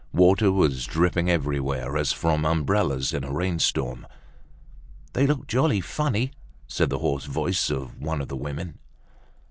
Water was dripping everywhere as from umbrellas in a rainstorm. "They look jolly funny!" said the hoarse voice of one of the women.